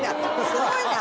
すごいな！